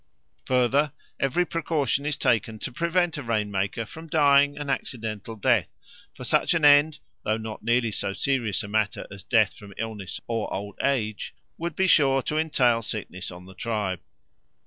Further, every precaution is taken to prevent a rain maker from dying an accidental death, for such an end, though not nearly so serious a matter as death from illness or old age, would be sure to entail sickness on the tribe.